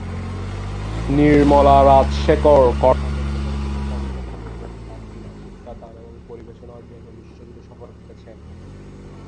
নির্মলা রাজশেখর কর্ণাটকী সংগীতে কণ্ঠ দিয়ে এবং তাঁর বীণা শিক্ষাদান এবং পরিবেশনার জন্য বিশ্বজুড়ে সফর করেছেন।